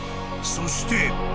［そして］